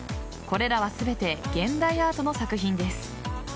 これらは全て現代アートの作品です。